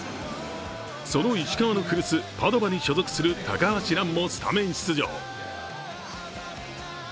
その石川の古巣・パドヴァに所属する高橋藍もスタメン出場。